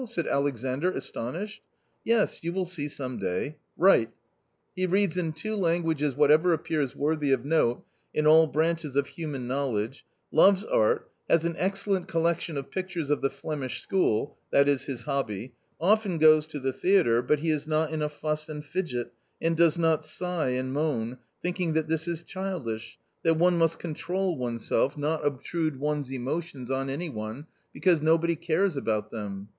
said Alexandr astonished. " Yes, you will see some day. Write : n " ¥{e read? in tiyn languages whatpvpr flpp^rc w^rfrhy nf note in all branches af human knowledge, Joves art, has an excel lent collection of picture s nf the F urnish srhnn\— that i£hls rlOBby — o/ten.goes to the f ^^ fy ^ l hi? f u *;° n(\j j n _a fuss and fidget, and does not sigh and moan, thinking that this is childish, that one must control oneself, not obtrude $r1 52 A COMMON STORY one's emotions on any one, because nobody cares about them.